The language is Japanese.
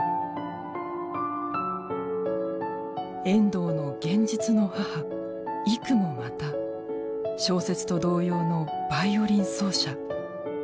遠藤の現実の母郁もまた小説と同様のバイオリン奏者。